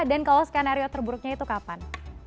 dan kalau skenario terburuknya itu kapan